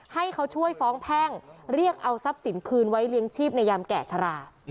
ให้เขาช่วยฟ้องแพ่งเรียกเอาทรัพย์สินคืนไว้เลี้ยงชีพในยามแก่ชรา